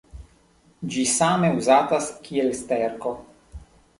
Ĝi same uzatas kiel sterko.